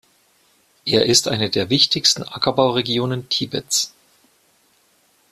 Er ist eine der wichtigsten Ackerbau-Regionen Tibets.